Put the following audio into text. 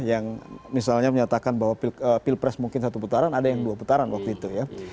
yang misalnya menyatakan bahwa pilpres mungkin satu putaran ada yang dua putaran waktu itu ya